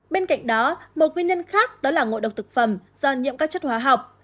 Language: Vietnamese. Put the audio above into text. bên cạnh đó một nguyên nhân khác đó là ngộ độc thực phẩm do nhiễm các chất hóa học